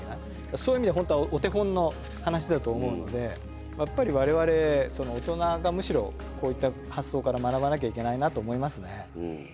そういう意味では本当はお手本の話だと思うのでやっぱり我々おとながむしろこういった発想から学ばなきゃいけないなと思いますね。